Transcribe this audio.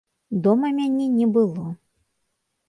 Дома мяне не было.